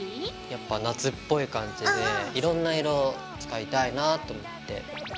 やっぱ夏っぽい感じでいろんな色使いたいなぁと思って。